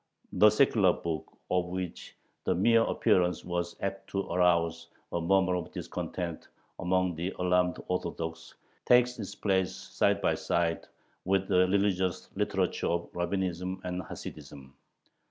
The secular book, of which the mere appearance was apt to arouse a murmur of discontent among the alarmed Orthodox, takes its place side by side with the religious literature of Rabbinism and Hasidism.